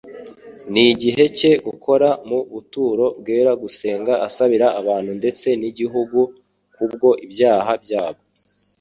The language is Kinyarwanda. n'igihe cye gukora mu buturo bwera gusenga asabira abantu ndetse n'igihugu kubwo ibyaha byabo,